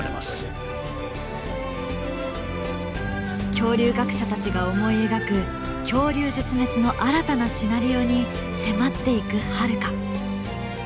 恐竜学者たちが思い描く「恐竜絶滅の新たなシナリオ」に迫っていくハルカ。